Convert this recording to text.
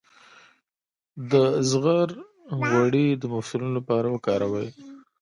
د زغر غوړي د مفصلونو لپاره وکاروئ